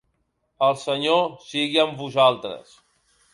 El Senyor sigui amb vosaltres.